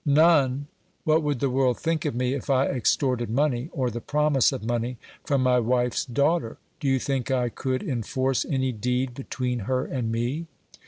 "None!" "What would the world think of me if I extorted money, or the promise of money, from my wife's daughter? Do you think I could enforce any deed between her and me?"